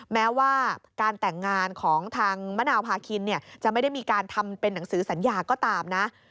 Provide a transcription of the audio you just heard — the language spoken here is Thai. แม้ว่าการแต่งงานของทางมะนาวพาคินจะไม่ได้มีการทำเป็นหนังสือสัญญาก็ตามนะ